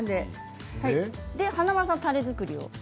華丸さん、たれ作りを。